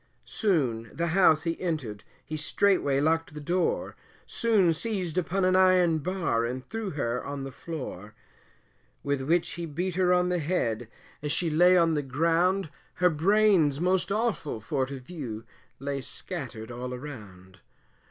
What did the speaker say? Soon as the house he entered, he straightway locked the door, Soon seized upon an iron bar, and threw her on the floor; With which he beat her on the head, as she lay on the ground, Her brains most awful for to view, lay scattered all around.